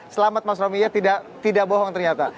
selamat mas romy ya tidak bohong ternyata